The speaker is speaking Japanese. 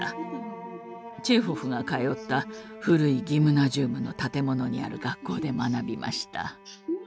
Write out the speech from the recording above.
チェーホフが通った古いギムナジウムの建物にある学校で学びました。